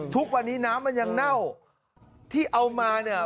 ทุกวันนี้น้ำมันยังเน่าที่เอามาเนี่ย